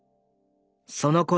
そのころ